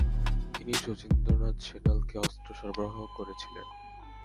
তিনি শচীন্দ্রনাথ সেনালকে অস্ত্র সরবরাহ করেছিলেন।